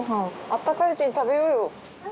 あったかいうちに食べようよ